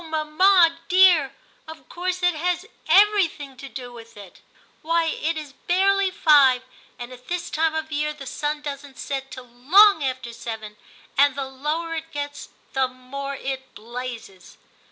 mamma dear, of course it has every thing to do with it; why, it is barely five, and at this time of year the sun doesn't set till long after seven, and the lower it gets the more it blazes.'